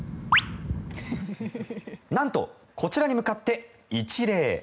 なんと、こちらに向かって一礼。